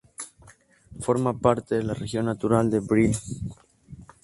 Forma parte de la región natural de Brie.